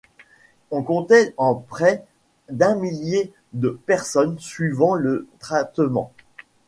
On comptait en près d'un millier de personnes suivant le traitement.